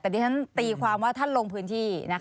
แต่แน่นั้นตีความว่าท่านลงพื้นที่นะคะ